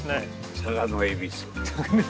佐賀の恵比須。